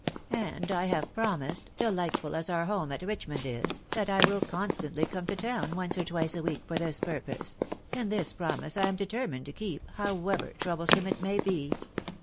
And I have promised, delightful as our home at Richmond is, that I will constantly come to town once or twice a week for this purpose ; and this promise I am determined to keep, however troublesome it may be.